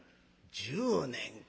「１０年か。